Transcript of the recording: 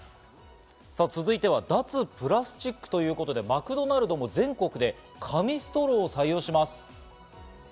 続いては脱プラスチックということで、マクドナルドも全国で紙ストローを採用します。